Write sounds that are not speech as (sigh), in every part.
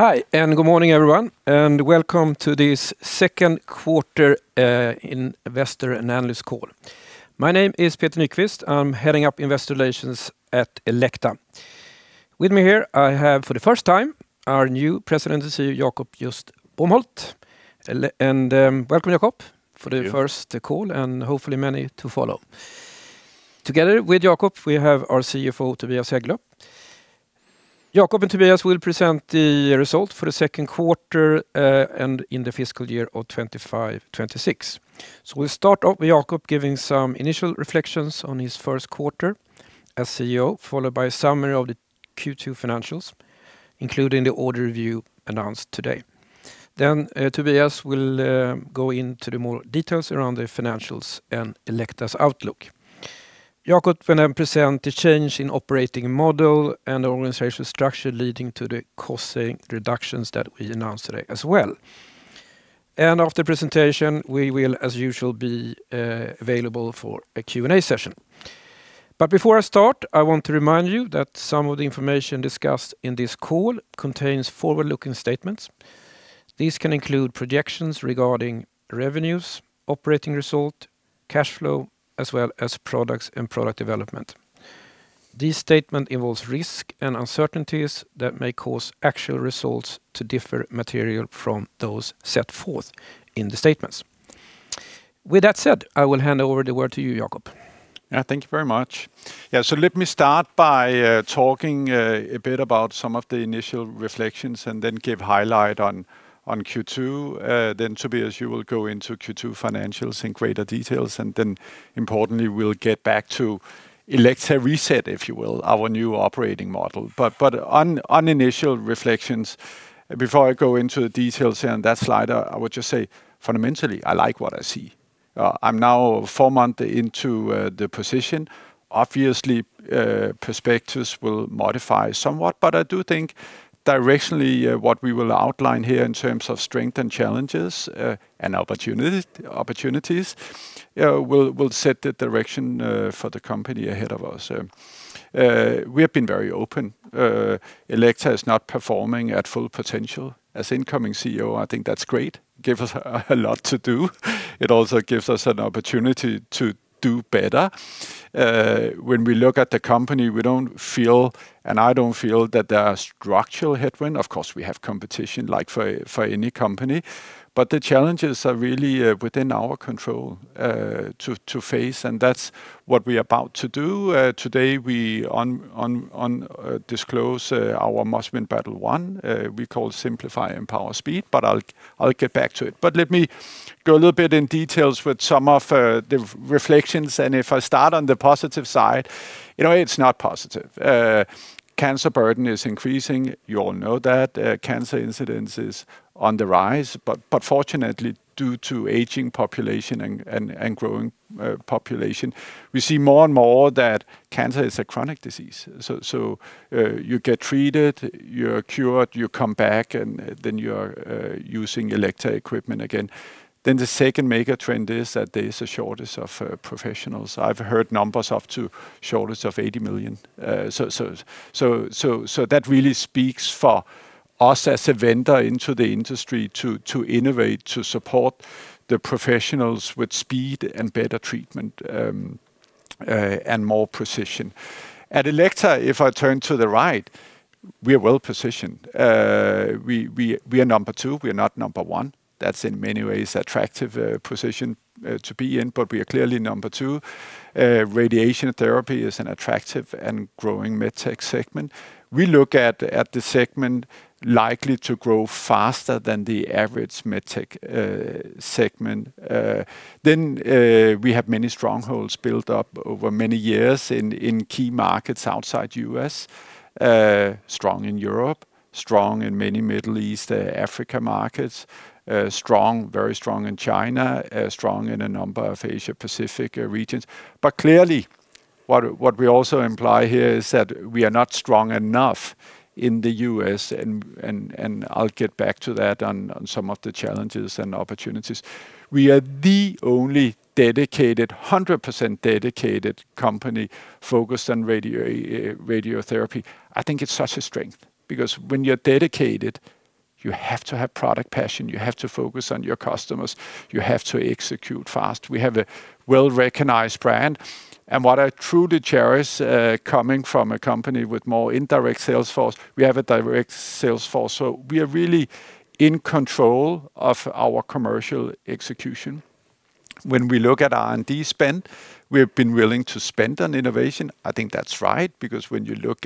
Hi, and good morning, everyone, and welcome to this second quarter investor analyst call. My name is Peter Nyquist. I'm Head of Investor Relations at Elekta. With me here, I have, for the first time, our new President and CEO, Jakob Just-Bomholt. Welcome, Jakob, for the first call, and hopefully many to follow. Together with Jakob, we have our CFO, Tobias Hägglöv. Jakob and Tobias will present the result for the second quarter and in the fiscal year of 2025/2026. We will start off with Jakob giving some initial reflections on his first quarter as CEO, followed by a summary of the Q2 financials, including the order review announced today. Tobias will go into more details around the financials and Elekta's outlook. Jakob will then present the change in operating model and organizational structure leading to the cost reductions that we announced today as well. After the presentation, we will, as usual, be available for a Q&A session. Before I start, I want to remind you that some of the information discussed in this call contains forward-looking statements. These can include projections regarding revenues, operating result, cash flow, as well as products and product development. These statements involve risks and uncertainties that may cause actual results to differ materially from those set forth in the statements. With that said, I will hand over the word to you, Jakob. Yeah, thank you very much. Let me start by talking a bit about some of the initial reflections and then give a highlight on Q2. Tobias, you will go into Q2 financials in greater detail. Importantly, we will get back to Elekta Reset, if you will, our new operating model. On initial reflections, before I go into the details on that slide, I would just say fundamentally, I like what I see. I'm now four months into the position. Obviously, perspectives will modify somewhat, but I do think directionally what we will outline here in terms of strength and challenges and opportunities will set the direction for the company ahead of us. We have been very open. Elekta is not performing at full potential. As incoming CEO, I think that's great. It gives us a lot to do. It also gives us an opportunity to do better. When we look at the company, we do not feel, and I do not feel, that there are structural headwinds. Of course, we have competition like for any company. The challenges are really within our control to face. That is what we are about to do. Today, we disclose our must-win-battle one. We call it Simplify, Empower, Speed, but I will get back to it. Let me go a little bit in details with some of the reflections. If I start on the positive side, it is not positive. Cancer burden is increasing. You all know that. Cancer incidence is on the rise. Fortunately, due to aging population and growing population, we see more and more that cancer is a chronic disease. You get treated, you are cured, you come back, and then you are using Elekta equipment again. The second major trend is that there is a shortage of professionals. I've heard numbers up to a shortage of 80 million. That really speaks for us as a vendor into the industry to innovate, to support the professionals with speed and better treatment and more precision. At Elekta, if I turn to the right, we are well positioned. We are number two. We are not number one. That's in many ways an attractive position to be in, but we are clearly number two. Radiation therapy is an attractive and growing medtech segment. We look at the segment likely to grow faster than the average medtech segment. We have many strongholds built up over many years in key markets outside the U.S., strong in Europe, strong in many Middle East, Africa markets, very strong in China, strong in a number of Asia-Pacific regions. Clearly, what we also imply here is that we are not strong enough in the U.S. I'll get back to that on some of the challenges and opportunities. We are the only dedicated, 100% dedicated company focused on radiotherapy. I think it's such a strength because when you're dedicated, you have to have product passion. You have to focus on your customers. You have to execute fast. We have a well-recognized brand. What I truly cherish coming from a company with more indirect sales force, we have a direct sales force. We are really in control of our commercial execution. When we look at R&D spend, we have been willing to spend on innovation. I think that's right because when you look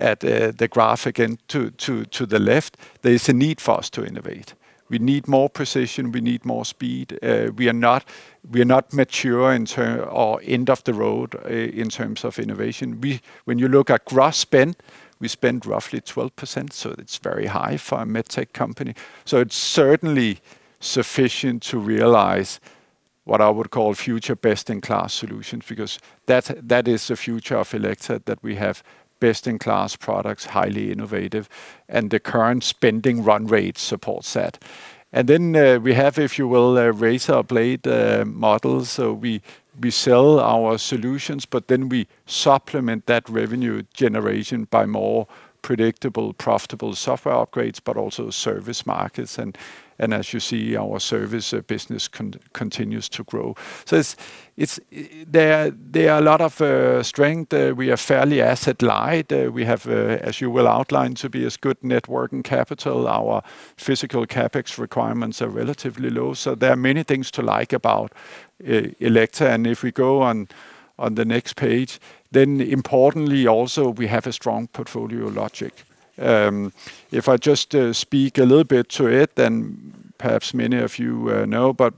at the graph again to the left, there is a need for us to innovate. We need more precision. We need more speed. We are not mature or end of the road in terms of innovation. When you look at gross spend, we spend roughly 12%. It is very high for a medtech company. It is certainly sufficient to realize what I would call future best-in-class solutions because that is the future of Elekta, that we have best-in-class products, highly innovative, and the current spending run rate supports that. We have, if you will, a razorblade model. We sell our solutions, but then we supplement that revenue generation by more predictable, profitable software upgrades, but also service markets. As you see, our service business continues to grow. There are a lot of strengths. We are fairly asset-light. We have, as you will outline, Tobias, good networking capital. Our physical CapEx requirements are relatively low. There are many things to like about Elekta. If we go on the next page, importantly also, we have a strong portfolio logic. If I just speak a little bit to it, perhaps many of you know, but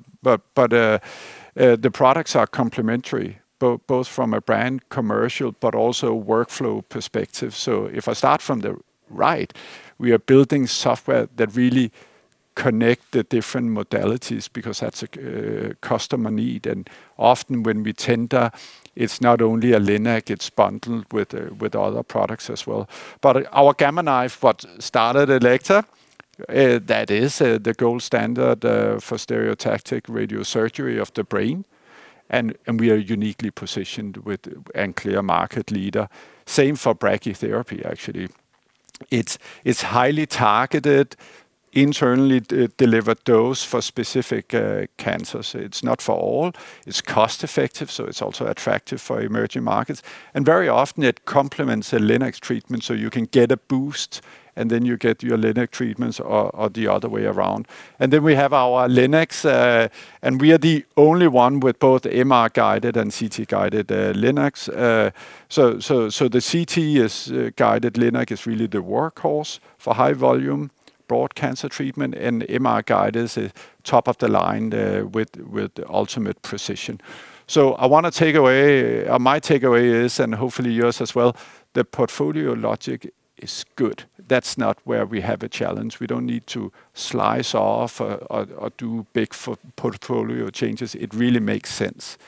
the products are complementary, both from a brand commercial, but also workflow perspective. If I start from the right, we are building software that really connects the different modalities because that's a customer need. Often when we tender, it's not only a Linac, it's bundled with other products as well. Our Gamma Knife, what started Elekta, that is the gold standard for stereotactic radiosurgery of the brain. We are uniquely positioned with a clear market leader. Same for brachytherapy, actually. It's highly targeted, internally delivered dose for specific cancers. It's not for all. It's cost-effective. It's also attractive for emerging markets. Very often it complements a Linac treatment. You can get a boost and then you get your Linac treatments or the other way around. We have our Linacs, and we are the only one with both MR-guided and CT-guided Linacs. The CT-guided Linac is really the workhorse for high-volume broad cancer treatment. MR-guided is top of the line with ultimate precision. I want to take away, my takeaway is, and hopefully yours as well, the portfolio logic is good. That is not where we have a challenge. We do not need to slice off or do big portfolio changes. It really makes sense.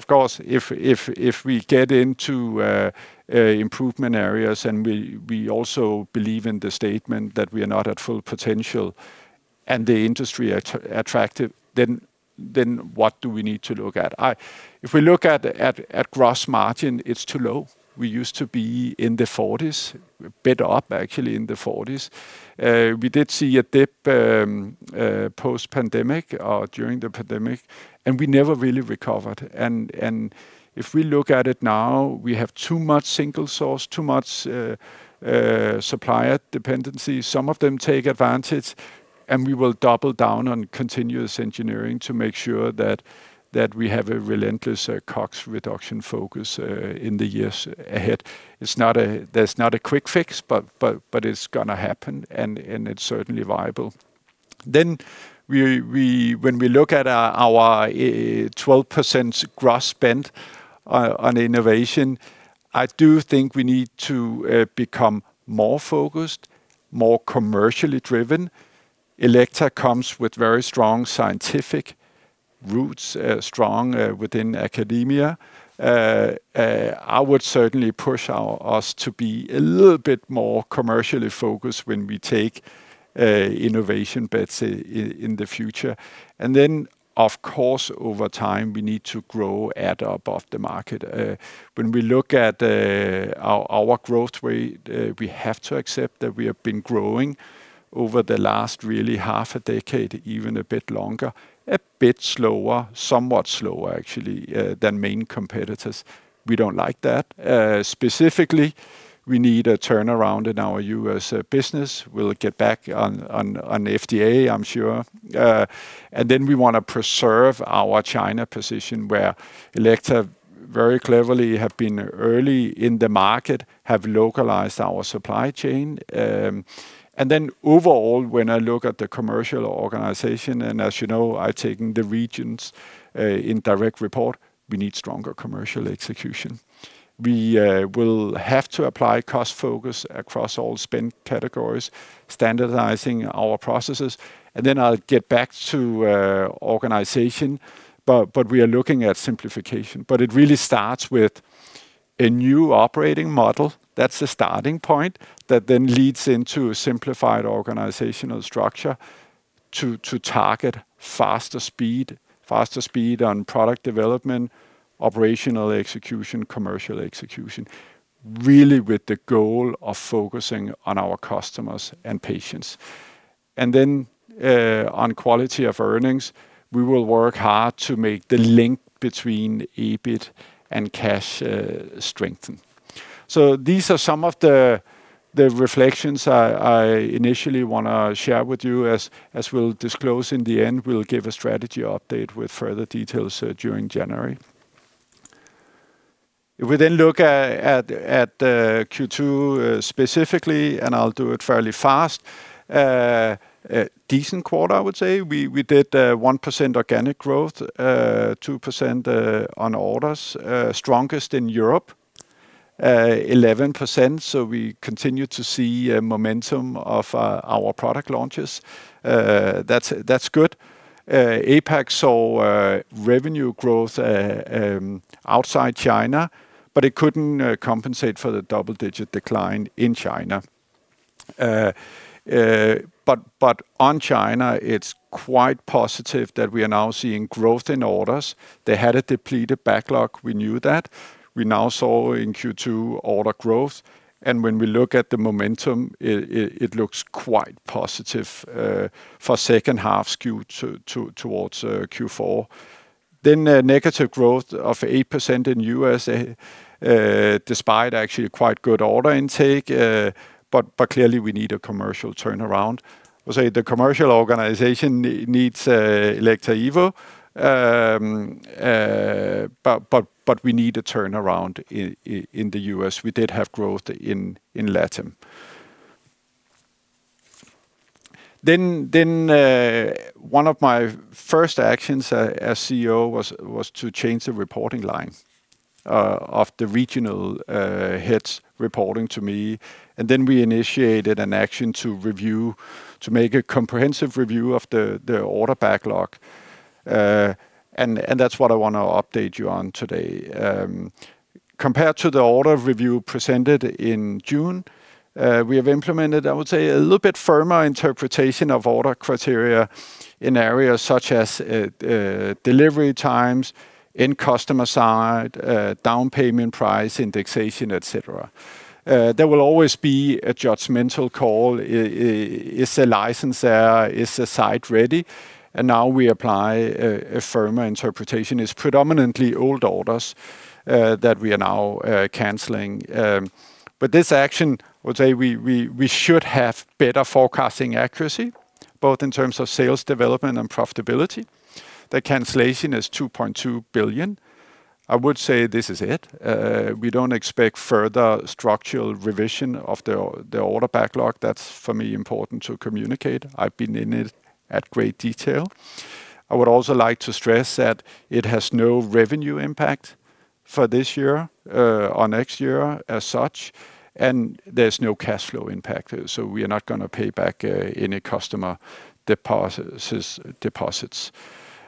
Of course, if we get into improvement areas and we also believe in the statement that we are not at full potential and the industry is attractive, then what do we need to look at? If we look at gross margin, it is too low. We used to be in the 40%, a bit up actually in the 40%. We did see a dip post-pandemic or during the pandemic, and we never really recovered. If we look at it now, we have too much single source, too much supplier dependency. Some of them take advantage, and we will double down on continuous engineering to make sure that we have a relentless cost reduction focus in the years ahead. There is not a quick fix, but it is going to happen, and it is certainly viable. When we look at our 12% gross spend on innovation, I do think we need to become more focused, more commercially driven. Elekta comes with very strong scientific roots, strong within academia. I would certainly push us to be a little bit more commercially focused when we take innovation bets in the future. Of course, over time, we need to grow, add up of the market. When we look at our growth rate, we have to accept that we have been growing over the last really half a decade, even a bit longer, a bit slower, somewhat slower actually than main competitors. We don't like that. Specifically, we need a turnaround in our U.S. business. We'll get back on FDA, I'm sure. We want to preserve our China position where Elekta very cleverly have been early in the market, have localized our supply chain. Overall, when I look at the commercial organization, and as you know, I've taken the regions in direct report, we need stronger commercial execution. We will have to apply cost focus across all spend categories, standardizing our processes. I'll get back to organization, but we are looking at simplification. It really starts with a new operating model. That's the starting point that then leads into a simplified organizational structure to target faster speed, faster speed on product development, operational execution, commercial execution, really with the goal of focusing on our customers and patients. On quality of earnings, we will work hard to make the link between EBIT and cash strengthen. These are some of the reflections I initially want to share with you. As we'll disclose in the end, we'll give a strategy update with further details during January. If we then look at Q2 specifically, and I'll do it fairly fast, a decent quarter, I would say. We did 1% organic growth, 2% on orders, strongest in Europe, 11%. We continue to see momentum of our product launches. That's good. APAC saw revenue growth outside China, but it could not compensate for the double-digit decline in China. On China, it is quite positive that we are now seeing growth in orders. They had a depleted backlog. We knew that. We now saw in Q2 order growth. When we look at the momentum, it looks quite positive for second half skew towards Q4. Negative growth of 8% in the U.S., despite actually quite good order intake. Clearly, we need a commercial turnaround. I would say the commercial organization needs Elekta Evo, but we need a turnaround in the U.S. We did have growth in Latin America. One of my first actions as CEO was to change the reporting line of the regional heads reporting to me. We initiated an action to review, to make a comprehensive review of the order backlog. That is what I want to update you on today. Compared to the order review presented in June, we have implemented, I would say, a little bit firmer interpretation of order criteria in areas such as delivery times, end customer side, down payment price, indexation, etc. There will always be a judgmental call. Is the license there? Is the site ready? Now we apply a firmer interpretation. It is predominantly old orders that we are now canceling. This action, I would say, means we should have better forecasting accuracy, both in terms of sales development and profitability. The cancellation is 2.2 billion. I would say this is it. We do not expect further structural revision of the order backlog. That is for me important to communicate. I have been in it at great detail. I would also like to stress that it has no revenue impact for this year or next year as such. There is no cash flow impact. We are not going to pay back any customer deposits.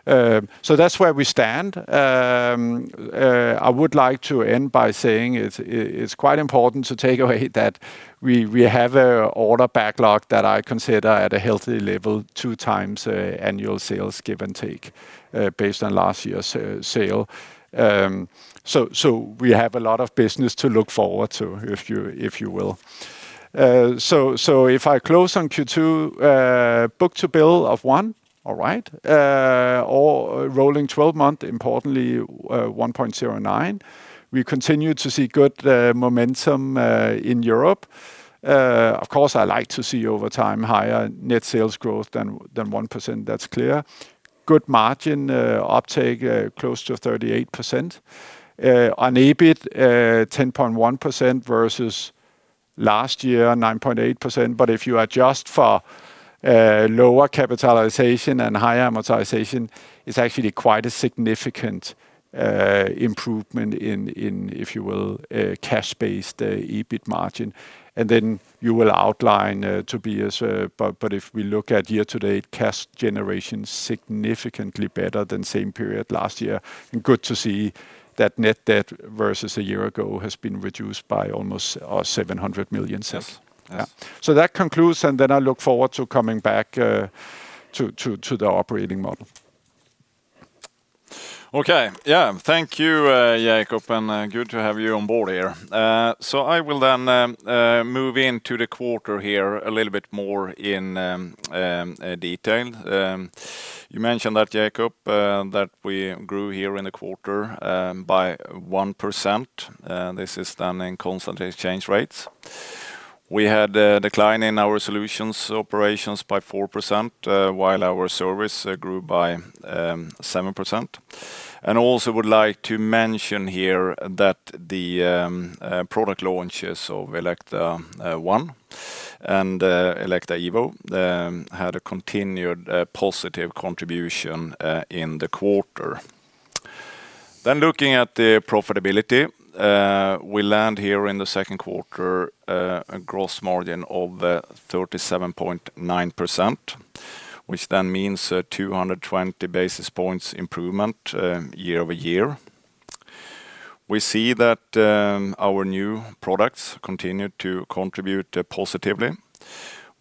That is where we stand. I would like to end by saying it is quite important to take away that we have an order backlog that I consider at a healthy level, two times annual sales give and take based on last year's sale. We have a lot of business to look forward to, if you will. If I close on Q2, book-to-bill of one, all right, or rolling 12-month, importantly 1.09. We continue to see good momentum in Europe. Of course, I like to see over time higher net sales growth than 1%. That is clear. Good margin uptake, close to 38%. On EBIT, 10.1% versus last year, 9.8%. If you adjust for lower capitalization and higher amortization, it's actually quite a significant improvement in, if you will, cash-based EBIT margin. You will outline, Tobias. If we look at year-to-date cash generation, significantly better than same period last year. Good to see that net debt versus a year ago has been reduced by almost 700 million. That concludes, and I look forward to coming back to the operating model. Okay. Thank you, Jakob, and good to have you on board here. I will then move into the quarter here a little bit more in detail. You mentioned that, Jakob, that we grew here in the quarter by 1%. This is done in constant exchange rates. We had a decline in our solutions operations by 4%, while our service grew by 7%. I would also like to mention here that the product launches of Elekta ONE and Elekta Evo had a continued positive contribution in the quarter. Looking at the profitability, we land here in the second quarter at a gross margin of 37.9%, which means a 220 basis points improvement year-over-year. We see that our new products continue to contribute positively.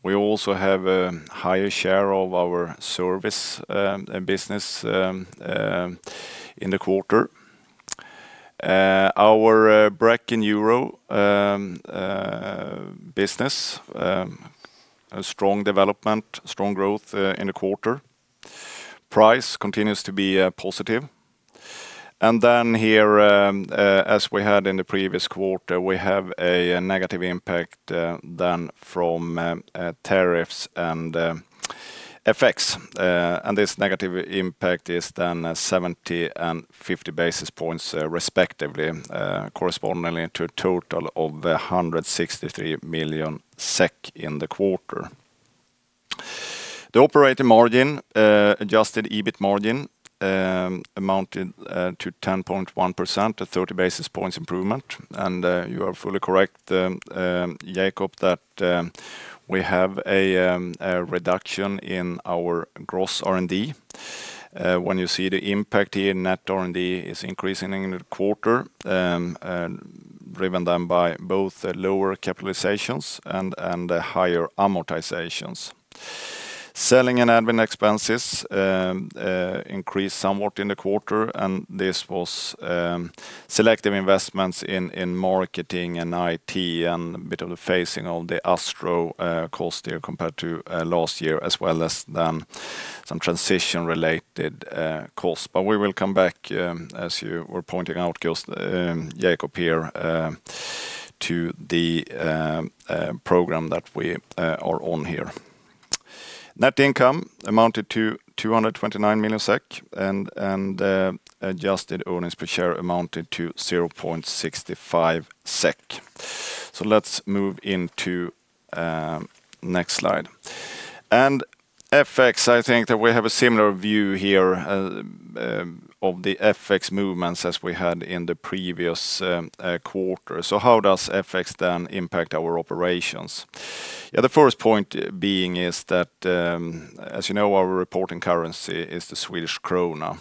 We also have a higher share of our service business in the quarter. Our brachytherapy business, strong development, strong growth in the quarter. Price continues to be positive. As we had in the previous quarter, we have a negative impact from tariffs and FX. This negative impact is 70 and 50 basis points respectively, corresponding to a total of 163 million SEK in the quarter. The operating margin, adjusted EBIT margin, amounted to 10.1%, a 30 basis points improvement. You are fully correct, Jakob, that we have a reduction in our gross R&D. When you see the impact here, net R&D is increasing in the quarter, driven then by both lower capitalizations and higher amortizations. Selling and admin expenses increased somewhat in the quarter, and this was selective investments in marketing and IT and a bit of the phasing of the Astro cost year compared to last year, as well as then some transition-related costs. We will come back, as you were pointing out, Jakob here, to the program that we are on here. Net income amounted to 229 million SEK, and adjusted earnings per share amounted to 0.65 SEK. Let's move into the next slide. FX, I think that we have a similar view here of the FX movements as we had in the previous quarter. How does FX then impact our operations? Yeah, the first point being is that, as you know, our reporting currency is the Swedish krona.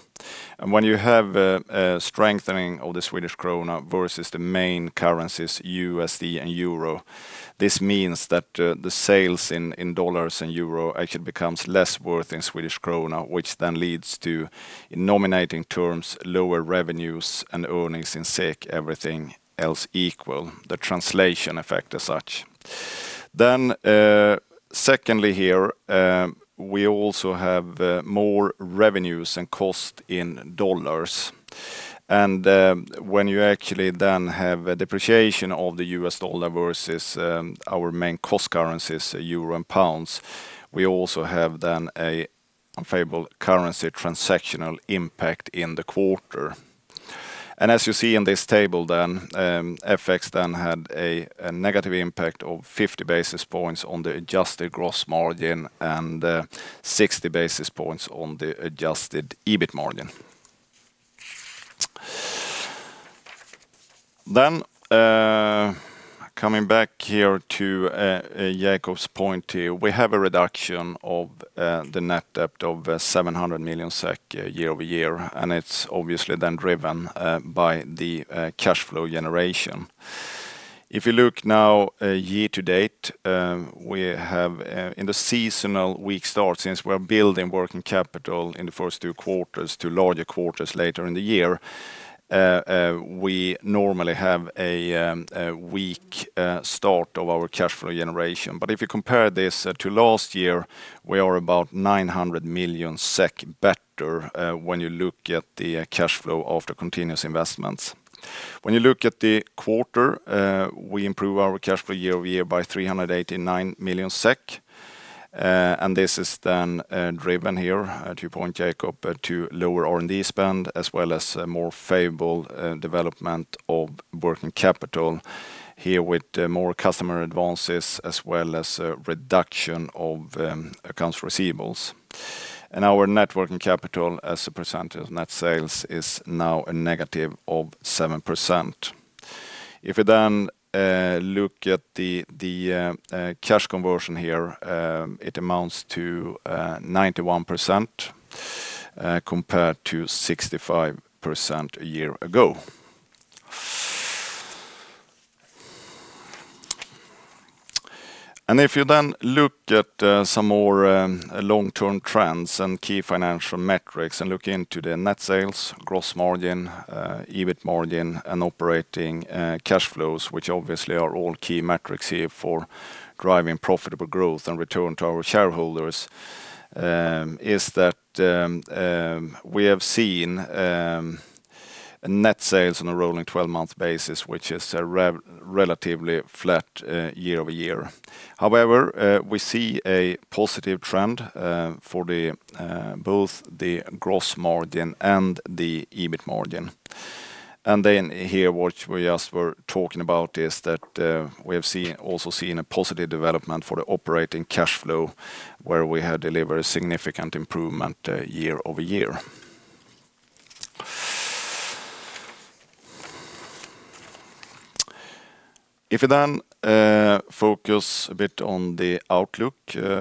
When you have a strengthening of the Swedish krona versus the main currencies, USD and Euro, this means that the sales in dollars and euro actually becomes less worth in Swedish krona, which then leads to, in nominating terms, lower revenues and earnings in SEK, everything else equal, the translation effect as such. Secondly here, we also have more revenues and cost in dollars. When you actually then have a depreciation of the U.S. dollar versus our main cost currencies, euro and pounds, we also have then a favorable currency transactional impact in the quarter. As you see in this table, FX then had a negative impact of 50 basis points on the adjusted gross margin and 60 basis points on the adjusted EBIT margin. Coming back here to Jakob's point here, we have a reduction of the net debt of 700 million SEK year-over-year, and it's obviously then driven by the cash flow generation. If you look now year-to-date, we have in the seasonal weak start since we're building working capital in the first two quarters to larger quarters later in the year, we normally have a weak start of our cash flow generation. If you compare this to last year, we are about 900 million SEK better when you look at the cash flow after continuous investments. When you look at the quarter, we improve our cash flow year-over-year by 389 million SEK. This is then driven here, to your point, Jakob, to lower R&D spend, as well as a more favorable development of working capital here with more customer advances, as well as a reduction of accounts receivables. Our net working capital as a percentage of net sales is now a negative of 7%. If you then look at the cash conversion here, it amounts to 91% compared to 65% a year ago. If you then look at some more long-term trends and key financial metrics and look into the net sales, gross margin, EBIT margin, and operating cash flows, which obviously are all key metrics here for driving profitable growth and return to our shareholders, we have seen net sales on a rolling 12-month basis, which is relatively flat year-over-year. However, we see a positive trend for both the gross margin and the EBIT margin. What we just were talking about is that we have also seen a positive development for the operating cash flow, where we had delivered a significant improvement year-over-year. If you then focus a bit on the outlook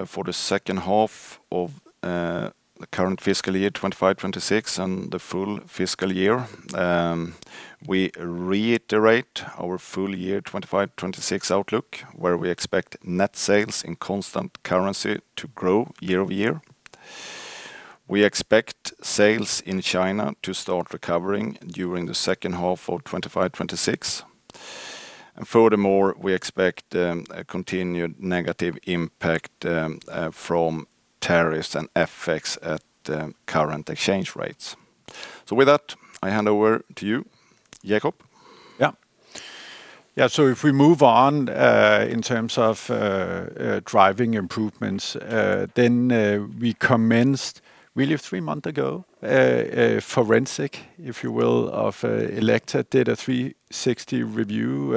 for the second half of the current fiscal year 2025-2026 and the full fiscal year, we reiterate our full year 2025-2026 outlook, where we expect net sales in constant currency to grow year-over-year. We expect sales in China to start recovering during the second half of 2025-2026. Furthermore, we expect a continued negative impact from tariffs and FX at current exchange rates. With that, I hand over to you, Jakob. Yeah. Yeah. If we move on in terms of driving improvements, we commenced, really 3 months ago, forensic, if you will, of Elekta Data 360 Review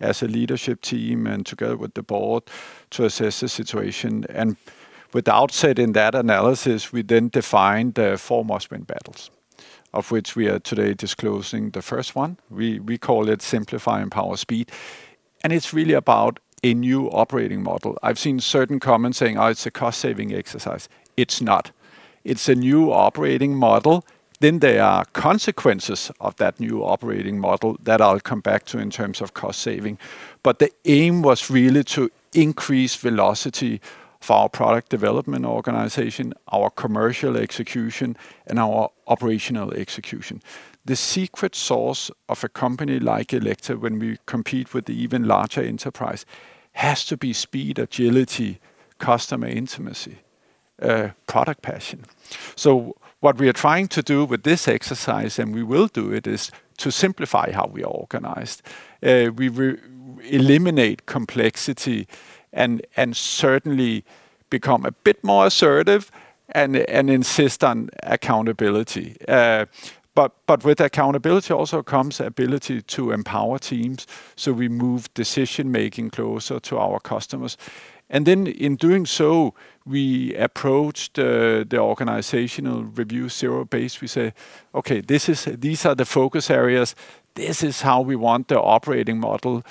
as a leadership team and together with the board to assess the situation. Without setting that analysis, we then defined the four must-win-battles, of which we are today disclosing the first one. We call it Simplify, Power, Speed. It is really about a new operating model. I have seen certain comments saying, "Oh, it is a cost-saving exercise." It is not. It is a new operating model. There are consequences of that new operating model that I will come back to in terms of cost-saving. The aim was really to increase the velocity of our product development organization, our commercial execution, and our operational execution. The secret sauce of a company like Elekta, when we compete with the even larger enterprise, has to be speed, agility, customer intimacy, product passion. What we are trying to do with this exercise, and we will do it, is to simplify how we are organized. We eliminate complexity and certainly become a bit more assertive and insist on accountability. With accountability also comes the ability to empower teams. We move decision-making closer to our customers. In doing so, we approached the organizational review zero-base. We say, "Okay, these are the focus areas. This is how we want the operating model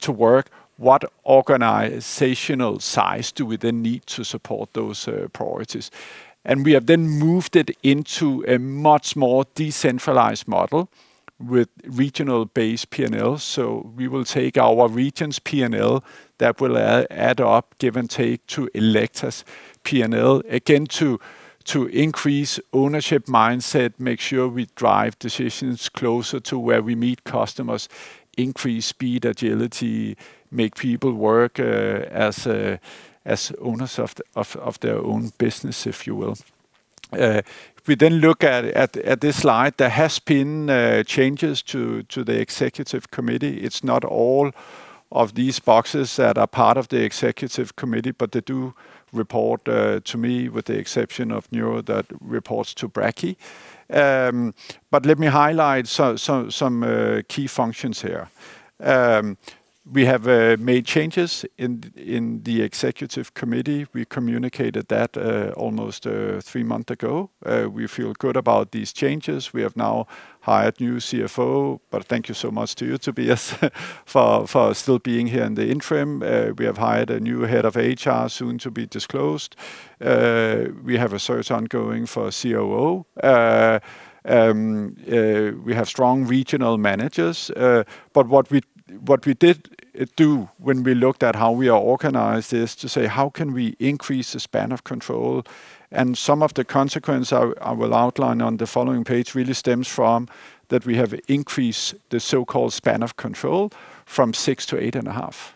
to work. What organizational size do we then need to support those priorities?" We have then moved it into a much more decentralized model with regional-based P&L. We will take our region's P&L that will add up, give and take, to Elekta's P&L, again, to increase ownership mindset, make sure we drive decisions closer to where we meet customers, increase speed, agility, make people work as owners of their own business, if you will. We then look at this slide. There have been changes to the executive committee. It's not all of these boxes that are part of the executive committee, but they do report to me, with the exception of Neuro that reports to Brachy. Let me highlight some key functions here. We have made changes in the executive committee. We communicated that almost three months ago. We feel good about these changes. We have now hired a new CFO. Thank you so much to you, Tobias, for still being here in the interim. We have hired a new head of HR soon to be disclosed. We have a search ongoing for a COO. We have strong regional managers. What we did do when we looked at how we are organized is to say, "How can we increase the span of control?" Some of the consequences I will outline on the following page really stems from that we have increased the so-called span of control from six to eight and a half.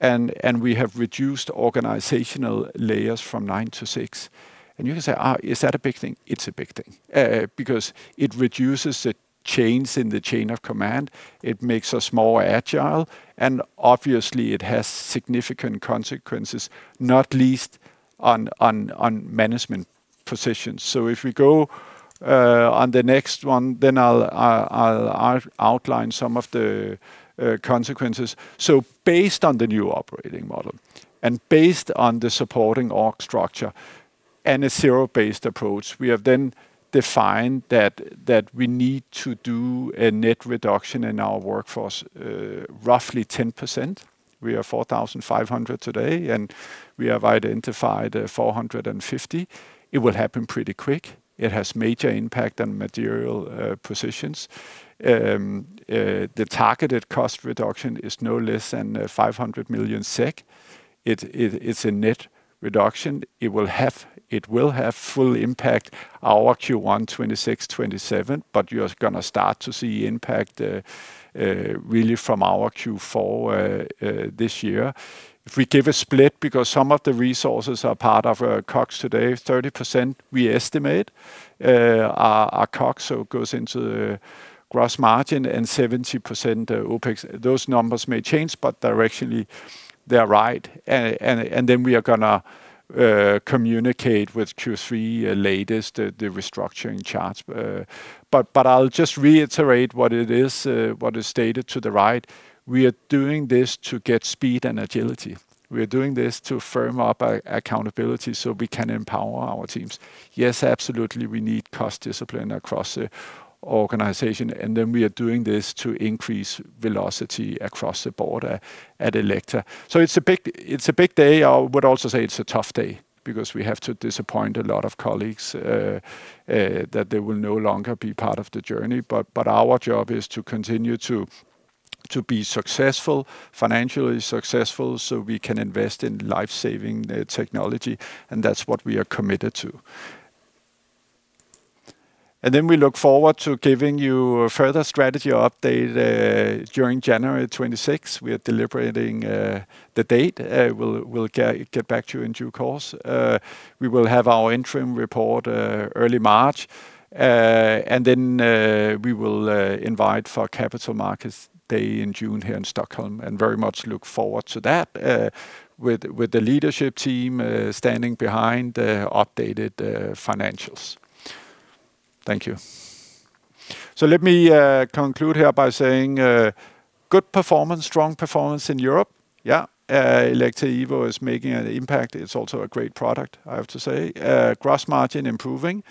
We have reduced organizational layers from nine to six. You can say, "Is that a big thing?" It's a big thing because it reduces the chains in the chain of command. It makes us more agile. It has significant consequences, not least on management positions. If we go on the next one, then I'll outline some of the consequences. Based on the new operating model and based on the supporting org structure and a zero-based approach, we have then defined that we need to do a net reduction in our workforce, roughly 10%. We are 4,500 today, and we have identified 450. It will happen pretty quick. It has a major impact on material positions. The targeted cost reduction is no less than 500 million SEK. It is a net reduction. It will have full impact, our Q1, 2026-2027. You are going to start to see impact really from our Q4 this year. If we give a split, because some of the resources are part of our COGS today, 30% we estimate, our COGS goes into gross margin and 70% OpEx. Those numbers may change, but directionally, they are right. We are going to communicate with Q3 latest, the restructuring charts. I'll just reiterate what it is, what is stated to the right. We are doing this to get speed and agility. We are doing this to firm up our accountability so we can empower our teams. Yes, absolutely, we need cost discipline across the organization. We are doing this to increase velocity across the border at Elekta. It's a big day. I would also say it's a tough day because we have to disappoint a lot of colleagues that they will no longer be part of the journey. Our job is to continue to be successful, financially successful, so we can invest in life-saving technology. That's what we are committed to. We look forward to giving you a further strategy update during January 2026. We are deliberating the date. We'll get back to you in due course. We will have our interim report early March. We will invite for Capital Markets Day in June here in Stockholm and very much look forward to that with the leadership team standing behind updated financials. Thank you. Let me conclude here by saying good performance, strong performance in Europe. Yeah, Elekta Evo is making an impact. It's also a great product, I have to say. Gross margin improving.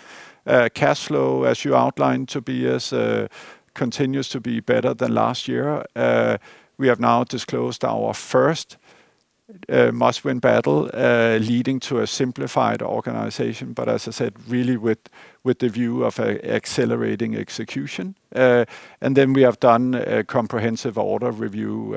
Cash flow, as you outlined, Tobias, continues to be better than last year. We have now disclosed our first must-win battle leading to a simplified organization. As I said, really with the view of accelerating execution. We have done a comprehensive order review.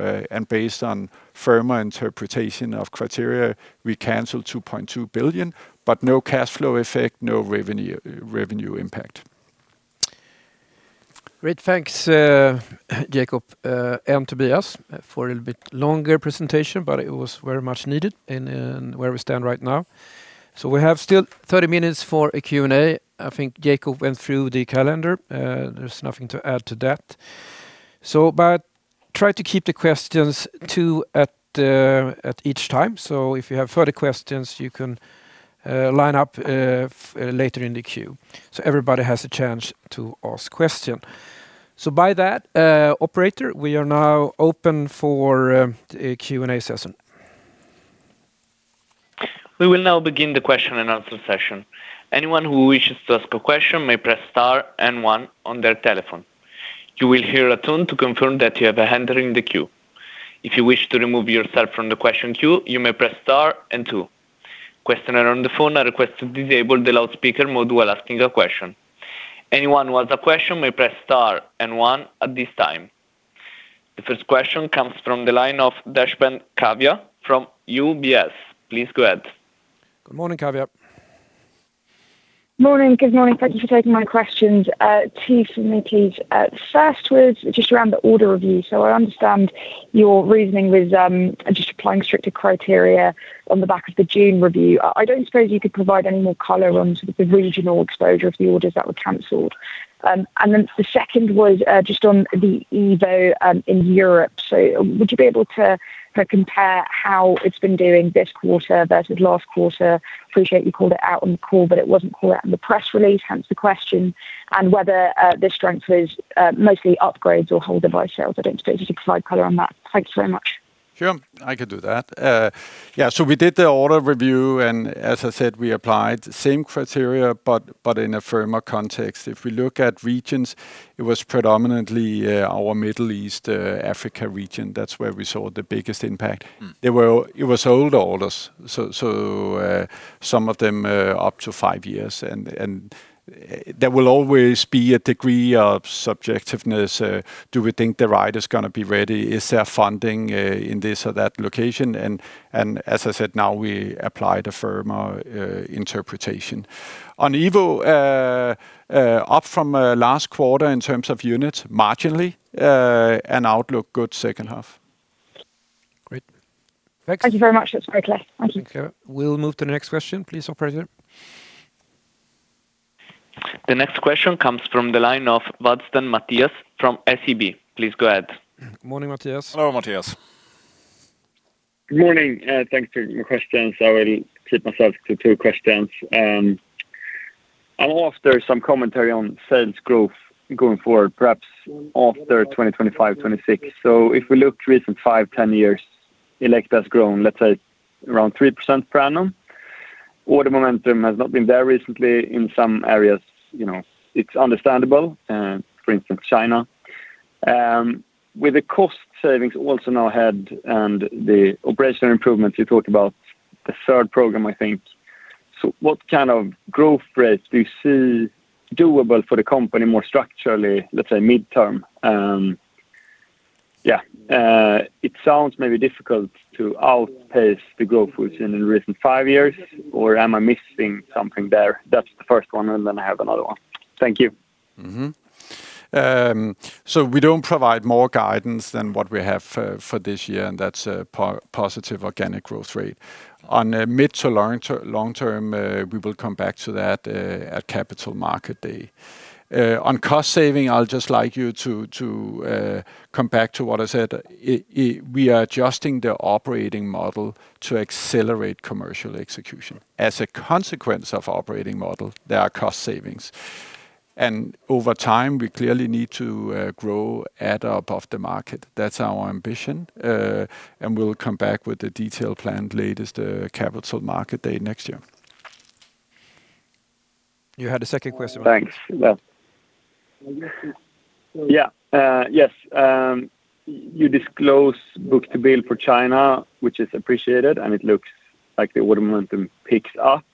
Based on firmer interpretation of criteria, we canceled 2.2 billion, but no cash flow effect, no revenue impact. Great. Thanks, Jakob and Tobias, for a little bit longer presentation, but it was very much needed in where we stand right now. We have still 30 minutes for a Q&A. I think Jakob went through the calendar. There is nothing to add to that. Try to keep the questions two at each time. If you have further questions, you can line up later in the queue. Everybody has a chance to ask a question. By that, operator, we are now open for a Q&A session. We will now begin the question and answer session. Anyone who wishes to ask a question may press star and one on their telephone. You will hear a tune to confirm that you have a handle in the queue. If you wish to remove yourself from the question queue, you may press star and two. Questionnaire on the phone are requested to disable the loudspeaker mode while asking a question. Anyone who has a question may press star and one at this time. The first question comes from the line of Kavya Deshpande from UBS. Please go ahead. Good morning, Kavya. Morning. Good morning. Thank you for taking my questions. Two from me, please. First was just around the order review. I understand your reasoning with just applying stricter criteria on the back of the June review. I do not suppose you could provide any more color on sort of the regional exposure of the orders that were canceled. The second was just on the Evo in Europe. Would you be able to compare how it has been doing this quarter versus last quarter? Appreciate you called it out on the call, but it was not called out in the press release, hence the question, and whether this strength was mostly upgrades or hold-by sales. I do not suppose you could provide color on that. Thanks very much. Sure. I could do that. Yeah. We did the order review. As I said, we applied the same criteria, but in a firmer context. If we look at regions, it was predominantly our Middle East, Africa region. That is where we saw the biggest impact. It was old orders, some of them up to 5 years. There will always be a degree of subjectiveness. Do we think the site is going to be ready? Is there funding in this or that location? As I said, now we apply the firmer interpretation. On Evo, up from last quarter in terms of units, marginally, and outlook good second half. Great. Thanks. Thank you very much. That's very clear. Thank you. Thank you. We'll move to the next question, please, operator. The next question comes from the line of Mattias Vadsten from SEB. Please go ahead. Good morning, Mattias. Hello, Mattias. Good morning. Thanks for the questions. I will keep myself to two questions. I'm after some commentary on sales growth going forward, perhaps after 2025-2026. If we look recent 5, 10 years, Elekta has grown, let's say, around 3% per annum. Order momentum has not been there recently in some areas. It's understandable, for instance, China. With the cost savings also now ahead and the operational improvements you talked about, the third program, I think. What kind of growth rate do you see doable for the company more structurally, let's say, midterm? Yeah. It sounds maybe difficult to outpace the growth we've seen in recent 5 years. Or am I missing something there? That's the first one. I have another one. Thank you. We do not provide more guidance than what we have for this year, and that's a positive organic growth rate. On mid to long term, we will come back to that at Capital Market Day. On cost saving, I'd just like you to come back to what I said. We are adjusting the operating model to accelerate commercial execution. As a consequence of operating model, there are cost savings. Over time, we clearly need to grow, add up of the market. That's our ambition. We will come back with the detailed plan latest Capital Market Day next year. You had a second question. Thanks. Yeah. Yes. You disclosed book-to-bill for China, which is appreciated. It looks like the order momentum picks up.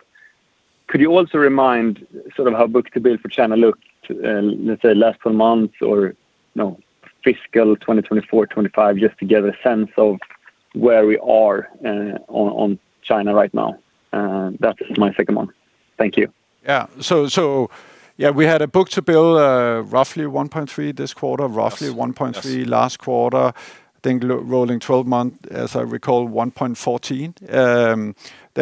Could you also remind sort of how book-to-bill for China looked, let's say, last 12 months or fiscal 2024-2025, just to get a sense of where we are on China right now? That's my second one. Thank you. Yeah. We had a book-to-bill roughly 1.3 this quarter, roughly 1.3 last quarter. I think rolling 12-month, as I recall, 1.14.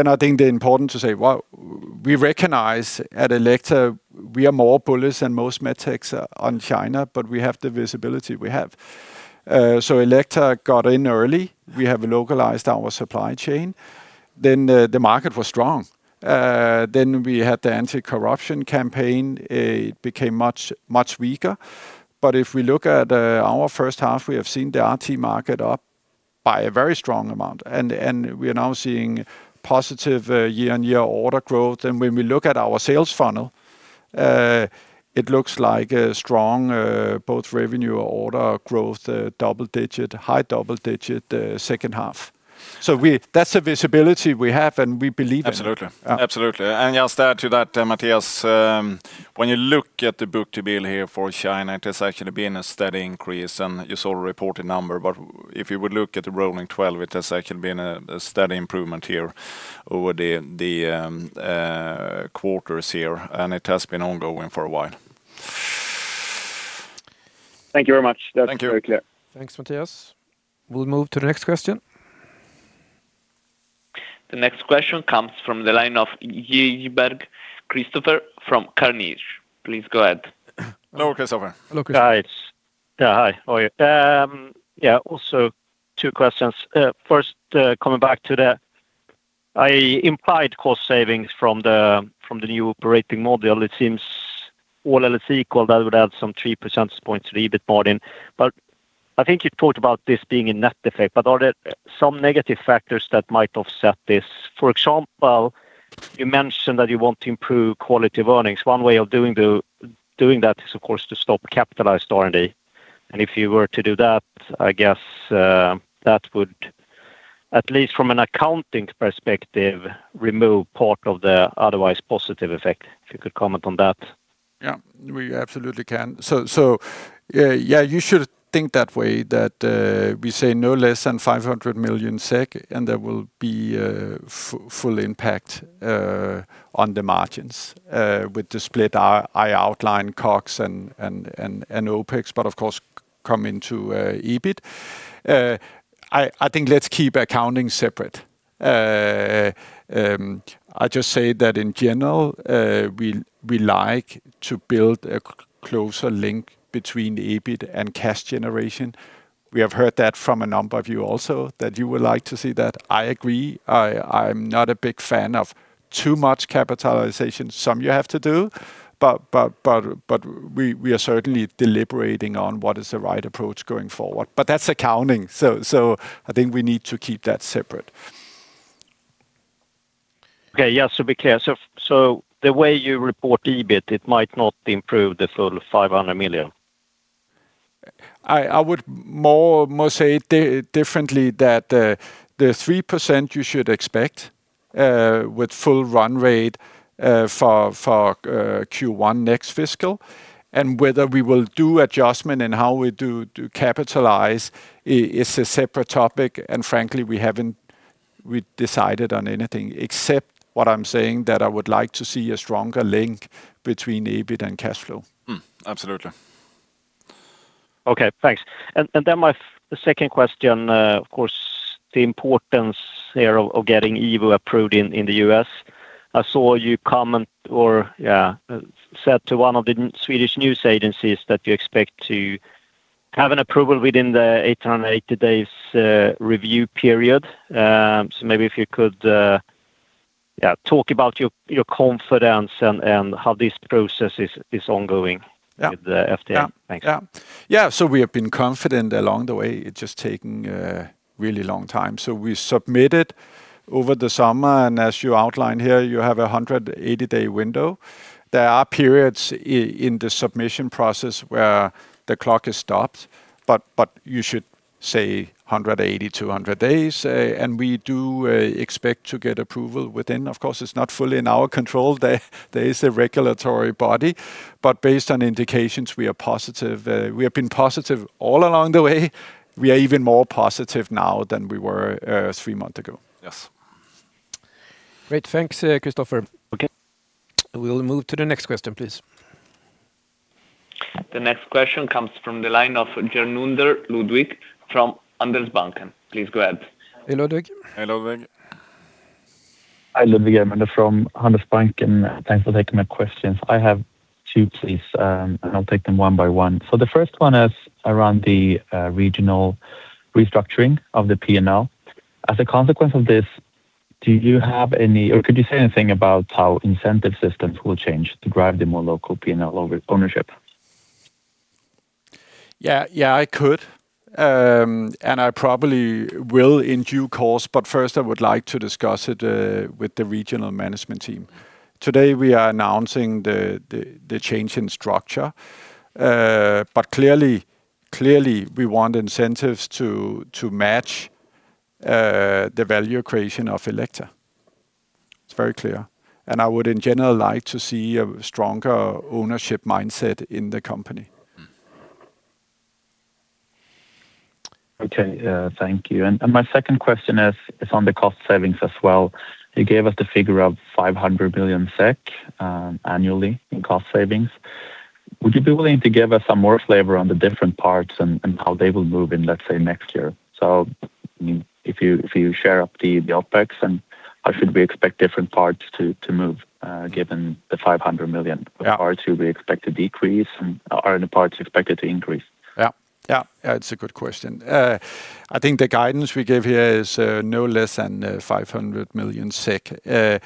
I think the important to say, we recognize at Elekta, we are more bullish than most med techs on China, but we have the visibility we have. Elekta got in early. We have localized our supply chain. The market was strong. We had the anti-corruption campaign. It became much weaker. If we look at our first half, we have seen the RT market up by a very strong amount. We are now seeing positive year-on-year order growth. When we look at our sales funnel, it looks like a strong both revenue order growth, high double-digit second half. That is the visibility we have, and we believe in that. Absolutely. Absolutely. Your stare to that, Mattias, when you look at the book-to-bill here for China, it has actually been a steady increase. You saw the reported number. If you would look at the rolling 12, it has actually been a steady improvement here over the quarters here. It has been ongoing for a while. Thank you very much. That is very clear. Thank you. Thanks, Mattias. We will move to the next question. The next question comes from the line of Kristofer Liljeberg from Carnegie. Please go ahead. Hello, Kristofer. Hello, Kristofer. Hi. Yeah, hi. How are you? Yeah, also two questions. First, coming back to that, I implied cost savings from the new operating model. It seems all else equal, that would add some 3 percentage points to the EBIT margin. I think you talked about this being a net effect. Are there some negative factors that might offset this? For example, you mentioned that you want to improve quality of earnings. One way of doing that is, of course, to stop capitalized R&D. If you were to do that, I guess that would, at least from an accounting perspective, remove part of the otherwise positive effect. If you could comment on that. Yeah, we absolutely can. Yeah, you should think that way, that we say no less than 500 million SEK, and there will be full impact on the margins with the split. I outline COGS and OpEx, but of course, come into EBIT. I think let's keep accounting separate. I'll just say that in general, we like to build a closer link between EBIT and cash generation. We have heard that from a number of you also, that you would like to see that. I agree. I'm not a big fan of too much capitalization. Some you have to do. We are certainly deliberating on what is the right approach going forward. That is accounting. I think we need to keep that separate. Okay. Yeah, to be clear. The way you report EBIT, it might not improve the full 500 million. I would more say differently that the 3% you should expect with full run rate for Q1 next fiscal. Whether we will do adjustment and how we do capitalize is a separate topic. Frankly, we have not decided on anything except what I am saying, that I would like to see a stronger link between EBIT and cash flow. Absolutely. Okay. Thanks. My second question, of course, the importance here of getting Evo approved in the U.S. I saw you comment or, yeah, said to one of the Swedish news agencies that you expect to have an approval within the 880 days review period. Maybe if you could, yeah, talk about your confidence and how this process is ongoing with the FDA. Thanks. Yeah. Yeah. We have been confident along the way. It is just taking a really long time. We submitted over the summer. As you outline here, you have a 180-day window. There are periods in the submission process where the clock is stopped. You should say 180-200 days. We do expect to get approval within. Of course, it is not fully in our control. There is a regulatory body. Based on indications, we are positive. We have been positive all along the way. We are even more positive now than we were three months ago. Yes. Great. Thanks, Kristofer. Okay. We will move to the next question, please. The next question comes from the line of Ludwig Germunder from Handelsbanken. Please go ahead. Hello, Ludwig. Hello, Ludwig. I am from Handelsbanken. Thanks for taking my questions. I have two, please. I will take them one-by-one. The first one is around the regional restructuring of the P&L. As a consequence of this, do you have any, or could you say anything about how incentive systems will change to drive the more local P&L ownership? Yeah. Yeah, I could. And I probably will in due course. First, I would like to discuss it with the regional management team. Today, we are announcing the change in structure. Clearly, we want incentives to match the value creation of Elekta. It's very clear. I would, in general, like to see a stronger ownership mindset in the company. Okay. Thank you. My second question is on the cost savings as well. You gave us the figure of 500 million SEK annually in cost savings. Would you be willing to give us some more flavor on the different parts and how they will move in, let's say, next year? If you share up the OpEx, how should we expect different parts to move, given the 500 million? What parts would we expect to decrease, and are the parts expected to increase? Yeah. Yeah. Yeah. It's a good question. I think the guidance we give here is no less than 500 million SEK. The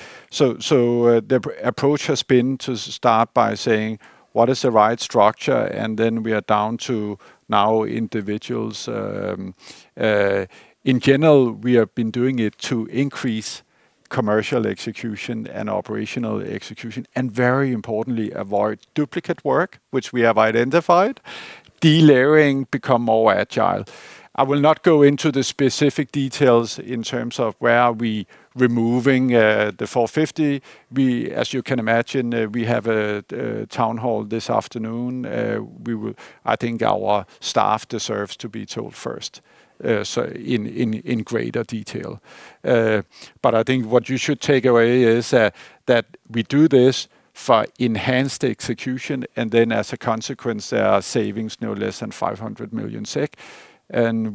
approach has been to start by saying, what is the right structure? Then we are down to now individuals. In general, we have been doing it to increase commercial execution and operational execution, and very importantly, avoid duplicate work, which we have identified, delaying, become more agile. I will not go into the specific details in terms of where we are removing the 450. As you can imagine, we have a town hall this afternoon. I think our staff deserves to be told first in greater detail. I think what you should take away is that we do this for enhanced execution. As a consequence, there are savings no less than 500 million SEK.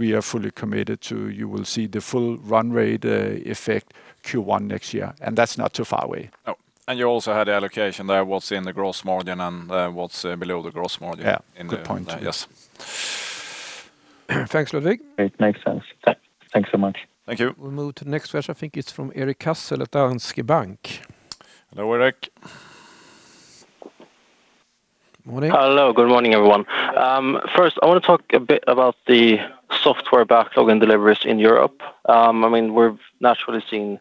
We are fully committed to, you will see the full run rate effect Q1 next year. That's not too far away. You also had the allocation there, what's in the gross margin and what's below the gross margin. Yeah. Good point. Yes.Thanks, Ludwig. Great. Makes sense. Thanks so much. Thank you. We'll move to the next question. I think it's from Erik Cassel at Danske Bank. Hello, Erik. Good morning. Hello. Good morning, everyone. First, I want to talk a bit about the software backlog and deliveries in Europe. I mean, we've naturally seen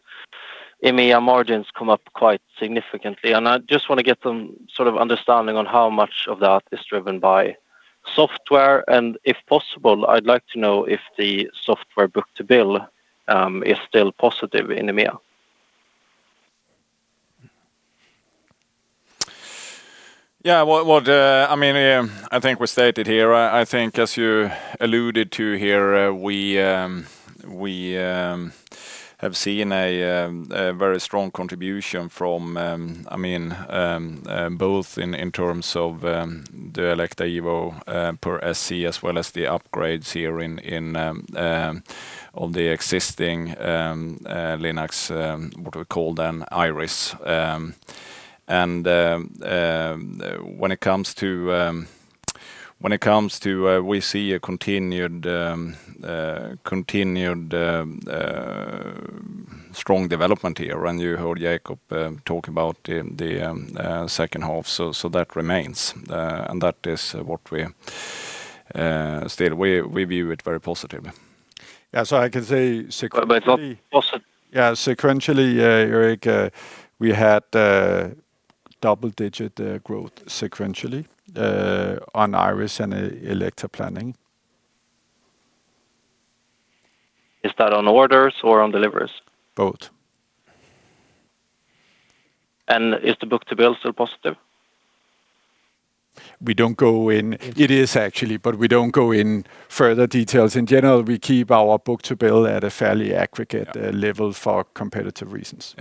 EMEA margins come up quite significantly. I just want to get some sort of understanding on how much of that is driven by software. If possible, I'd like to know if the software book-to-bill is still positive in EMEA. Yeah. I think we stated here, I think, as you alluded to here, we have seen a very strong contribution from, I mean, both in terms of the Elekta Evo per SC, as well as the upgrades here on the existing Linacs, what we call then Iris. When it comes to, we see a continued strong development here. You heard Jakob talk about the second half. That remains. That is what we still, we view it very positively. Yeah. I can say. Yeah. Sequentially, Erik, we had double-digit growth sequentially on Iris and Elekta Planning. Is that on orders or on deliveries? Both. Is the book-to-bill still positive? We do not go in. It is actually, but we do not go in further details. In general, we keep our book-to-bill at a fairly aggregate level for competitive reasons.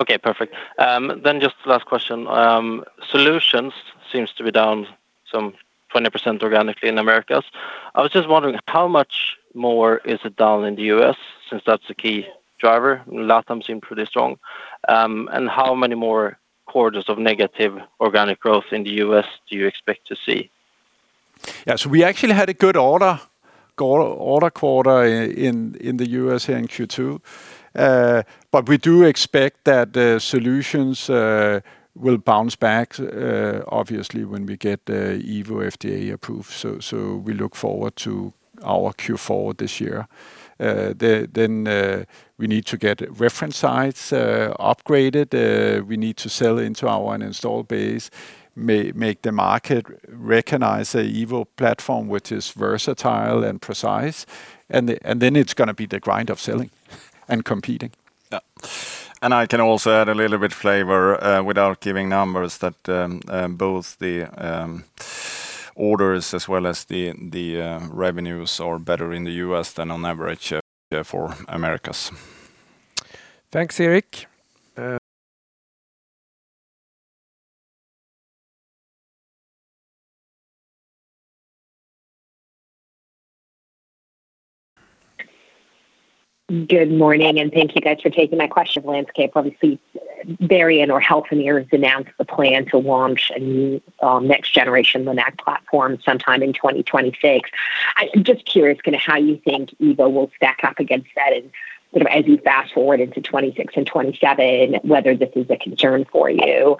Yes. Okay. Perfect. Just the last question. Solutions seems to be down some 20% organically in Americas. I was just wondering, how much more is it down in the U.S. since that is the key driver? Lat-Am seemed pretty strong. How many more quarters of negative organic growth in the U.S. do you expect to see? Yeah. We actually had a good order quarter in the U.S. here in Q2. We do expect that solutions will bounce back, obviously, when we get Evo FDA-approved. We look forward to our Q4 this year. We need to get reference sites upgraded. We need to sell into our install base, make the market recognize an Evo platform, which is versatile and precise. It's going to be the grind of selling and competing. I can also add a little bit of flavor without giving numbers that both the orders as well as the revenues are better in the US than on average for Americas. Thanks, Erik. Good morning. Thank you, guys, for taking my question. Landscape, obviously, Varian or Healthineers announced the plan to launch a new next-generation Linac platform sometime in 2026. I'm just curious kind of how you think Evo will stack up against that as you fast forward into 2026 and 2027, whether this is a concern for you.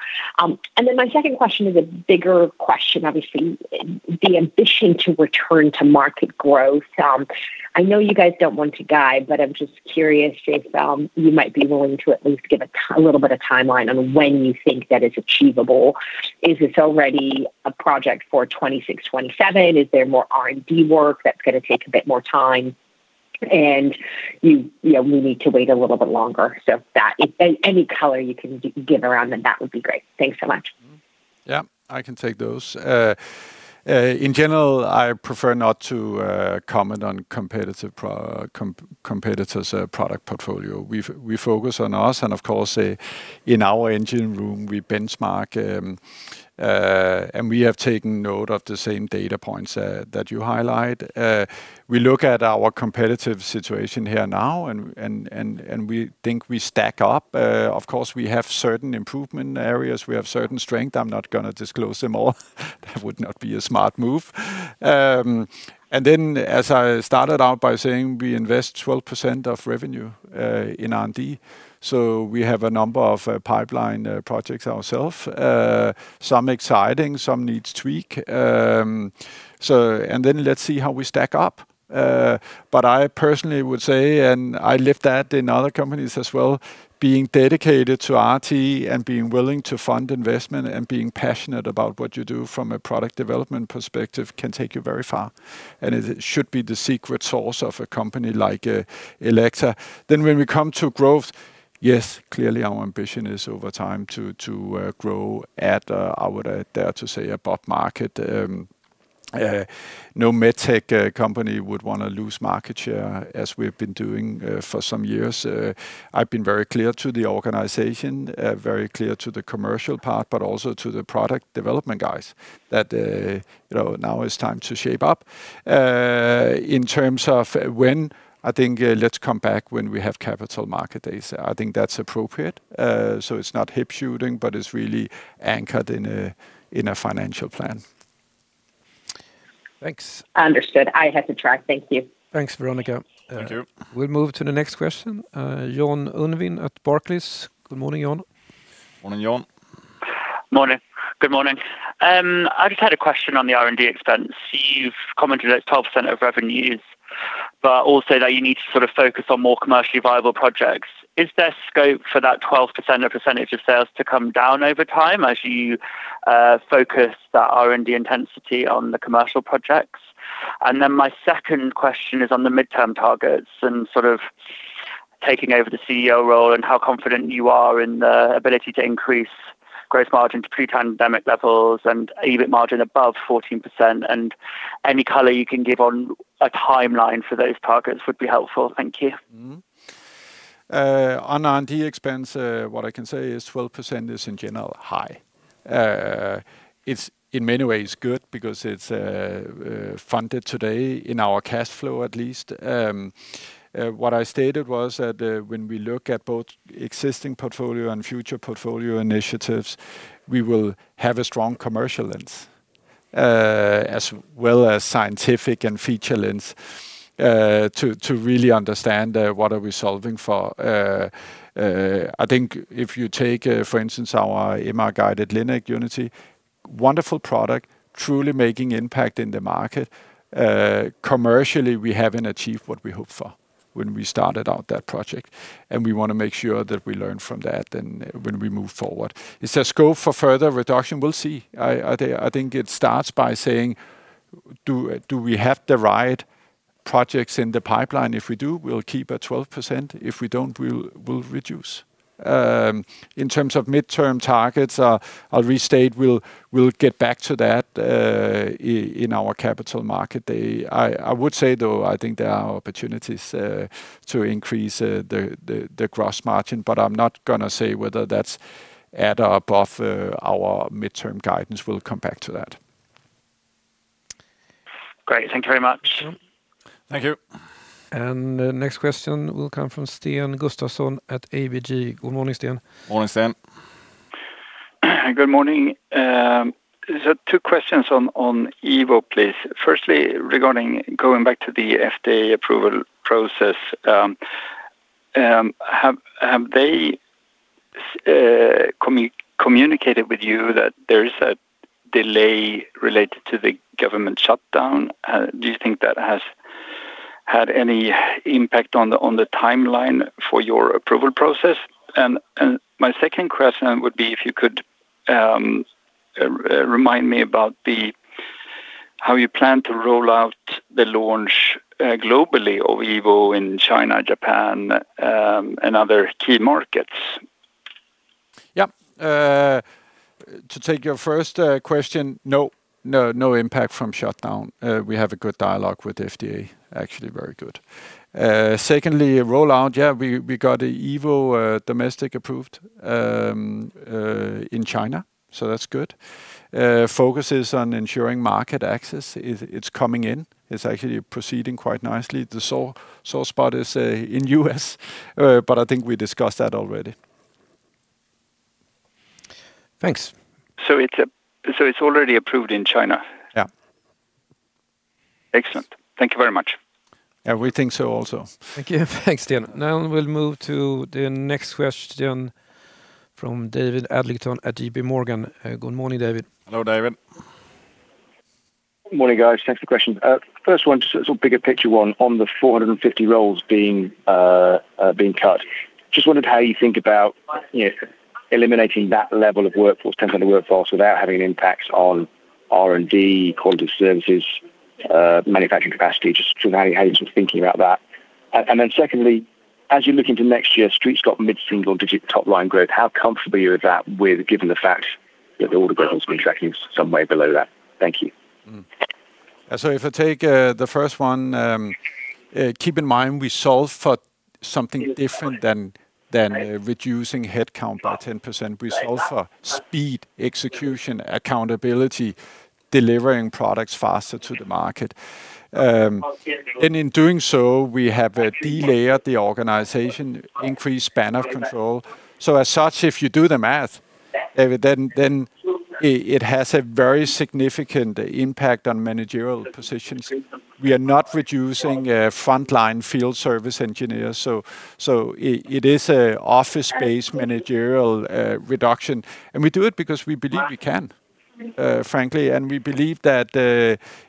My second question is a bigger question, obviously, the ambition to return to market growth. I know you guys do not want to guide, but I am just curious if you might be willing to at least give a little bit of timeline on when you think that is achievable. Is this already a project for 2026, 2027? Is there more R&D work that is going to take a bit more time? We need to wait a little bit longer. Any color you can give around that would be great. Thanks so much. Yeah. I can take those. In general, I prefer not to comment on competitors' product portfolio. We focus on us. Of course, in our engine room, we benchmark. We have taken note of the same data points that you highlight. We look at our competitive situation here now, and we think we stack up. Of course, we have certain improvement areas. We have certain strengths. I'm not going to disclose them all. That would not be a smart move. As I started out by saying, we invest 12% of revenue in R&D. We have a number of pipeline projects ourselves. Some exciting, some need tweak. Let's see how we stack up. I personally would say, and I lived that in other companies as well, being dedicated to RT and being willing to fund investment and being passionate about what you do from a product development perspective can take you very far. It should be the secret sauce of a company like Elekta. When we come to growth, yes, clearly our ambition is over time to grow at, I would dare to say, above market. No med tech company would want to lose market share as we've been doing for some years. I've been very clear to the organization, very clear to the commercial part, but also to the product development guys that now it's time to shape up. In terms of when, I think let's come back when we have Capital Market Day. I think that's appropriate. It's not hip shooting, but it's really anchored in a financial plan. Thanks. Understood. I have to try. Thank you. Thanks, Veronika. Thank you. We'll move to the next question. Jon Unwin at Barclays. Good morning, John. Morning, Jon. Morning. Good morning. I just had a question on the R&D expense. You've commented that 12% of revenue is, but also that you need to sort of focus on more commercially viable projects. Is there scope for that 12% of percentage of sales to come down over time as you focus that R&D intensity on the commercial projects? My second question is on the midterm targets and sort of taking over the CEO role and how confident you are in the ability to increase gross margin to pre-pandemic levels and EBIT margin above 14%. Any color you can give on a timeline for those targets would be helpful. Thank you. On R&D expense, what I can say is 12% is in general high. It is in many ways good because it is funded today in our cash flow, at least. What I stated was that when we look at both existing portfolio and future portfolio initiatives, we will have a strong commercial lens as well as scientific and feature lens to really understand what are we solving for. I think if you take, for instance, our MR-guided Linac, Unity, wonderful product, truly making impact in the market. Commercially, we haven't achieved what we hoped for when we started out that project. We want to make sure that we learn from that when we move forward. Is there scope for further reduction? We'll see. I think it starts by saying, do we have the right projects in the pipeline? If we do, we'll keep at 12%. If we don't, we'll reduce. In terms of midterm targets, I'll restate, we'll get back to that in our Capital Market Day. I would say, though, I think there are opportunities to increase the gross margin, but I'm not going to say whether that's at or above our midterm guidance. We'll come back to that. Great. Thank you very much. Thank you. The next question will come from Sten Gustafsson at ABG. Good morning, Sten. Morning, Sten. Good morning. Two questions on Evo, please. Firstly, regarding going back to the FDA approval process, have they communicated with you that there is a delay related to the government shutdown? Do you think that has had any impact on the timeline for your approval process? My second question would be if you could remind me about how you plan to roll out the launch globally of Evo in China, Japan, and other key markets. Yeah. To take your first question, no, no impact from shutdown. We have a good dialogue with FDA, actually very good. Secondly, rollout, yeah, we got Evo domestic-approved in China, so that's good. Focus is on ensuring market access. It's coming in. It's actually proceeding quite nicely. The sore spot is in the U.S., but I think we discussed that already. Thanks. It's already approved in China? Yeah. Excellent. Thank you very much. Yeah, we think so also. Thank you. Thanks, Sten. Now we'll move to the next question from David Adlington at JPMorgan. Good morning, David. Hello, David. Good morning, guys. Thanks for the question. First one, just a bigger picture one on the 450 roles being cut. Just wondered how you think about eliminating that level of workforce, 10% of workforce, without having an impact on R&D, quality of services, manufacturing capacity, just how you're sort of thinking about that. Secondly, as you look into next year, Street's got mid-single digit top-line growth. How comfortable are you with that given the fact that all the growth has been tracking some way below that? Thank you. If I take the first one, keep in mind we solve for something different than reducing headcount by 10%. We solve for speed, execution, accountability, delivering products faster to the market. In doing so, we have delayed the organization, increased span of control. As such, if you do the math, then it has a very significant impact on managerial positions. We are not reducing frontline field service engineers. It is an office-based managerial reduction. We do it because we believe we can, frankly. We believe that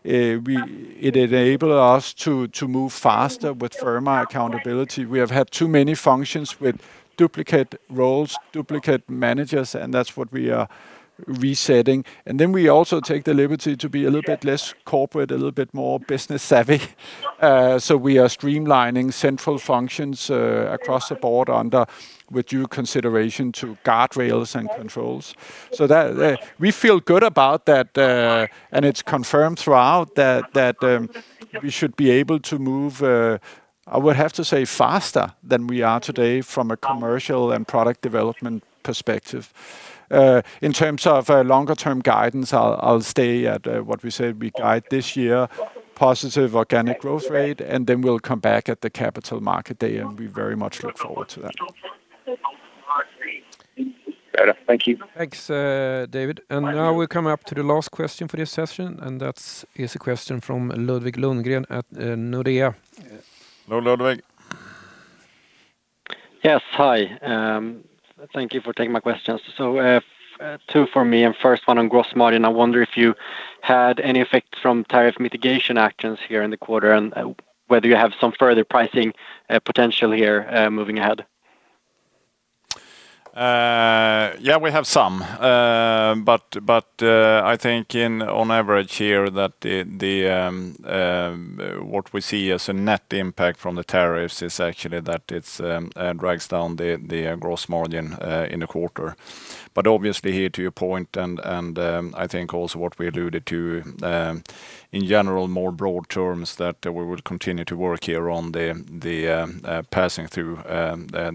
it enables us to move faster with firmer accountability. We have had too many functions with duplicate roles, duplicate managers, and that is what we are resetting. We also take the liberty to be a little bit less corporate, a little bit more business-savvy. We are streamlining central functions across the board with due consideration to guardrails and controls. We feel good about that. It is confirmed throughout that we should be able to move, I would have to say, faster than we are today from a commercial and product development perspective. In terms of longer-term guidance, I will stay at what we said we guide this year, positive organic growth rate, and then we will come back at the Capital Market Day. We very much look forward to that. Thank you. Thanks, David. Now we are coming up to the last question for this session. That is a question from Ludvig Lundgren at Nordea. Hello, Ludvig. Yes, hi. Thank you for taking my questions. Two for me. First one on gross margin. I wonder if you had any effect from tariff mitigation actions here in the quarter and whether you have some further pricing potential here moving ahead. Yeah, we have some. I think on average here that what we see as a net impact from the tariffs is actually that it drags down the gross margin in the quarter. Obviously here, to your point, and I think also what we alluded to in general, more broad terms, we will continue to work here on the passing through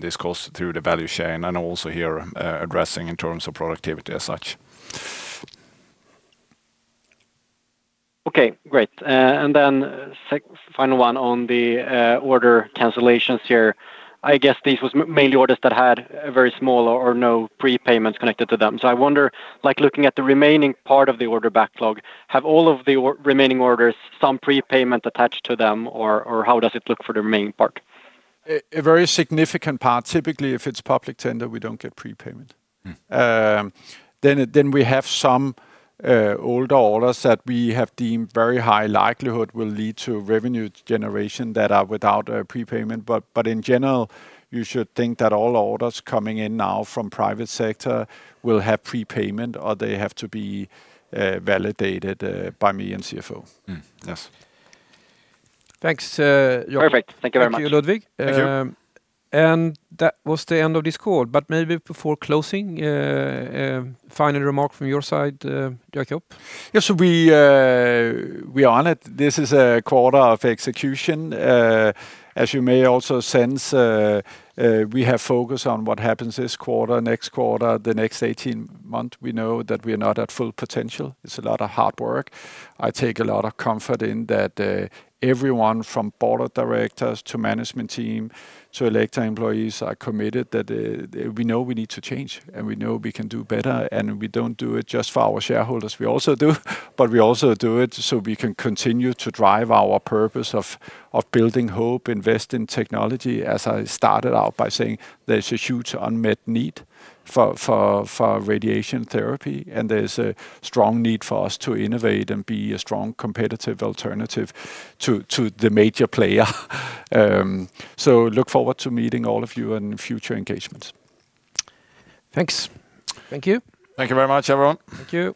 this cost through the value chain and also here addressing in terms of productivity as such. Okay, great. Final one on the order cancellations here. I guess these were mainly orders that had very small or no prepayments connected to them. I wonder, looking at the remaining part of the order backlog, have all of the remaining orders some prepayment attached to them, or how does it look for the remaining part? A very significant part. Typically, if it is public tender, we do not get prepayment. We have some older orders that we have deemed very high likelihood will lead to revenue generation that are without a prepayment. In general, you should think that all orders coming in now from private sector will have prepayment or they have to be validated by me and CFO. Yes. Thanks. (crosstalk) Perfect. Thank you very much. Thank you, Ludvig. Thank you. That was the end of this call. Maybe before closing, final remark from your side, Jakob? Yes, we are on it. This is a quarter of execution. As you may also sense, we have focused on what happens this quarter, next quarter, the next 18 months. We know that we are not at full potential. It's a lot of hard work. I take a lot of comfort in that everyone from Board of Directors to management team to Elekta employees are committed that we know we need to change and we know we can do better. We do not do it just for our shareholders. We also do, but we also do it so we can continue to drive our purpose of building hope, invest in technology. As I started out by saying there is a huge unmet need for radiation therapy and there is a strong need for us to innovate and be a strong competitive alternative to the major player. I look forward to meeting all of you in future engagements. Thanks. Thank you. Thank you very much, everyone. Thank you.